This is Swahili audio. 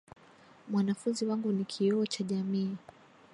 Mwanafunzi wangu ni kioo cha jamii.